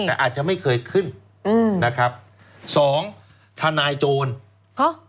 แต่อาจจะไม่เคยขึ้นอืมนะครับสองทนายโจรฮะ